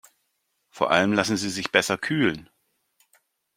Vor allem lassen sie sich besser kühlen.